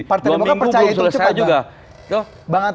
dua minggu belum selesai juga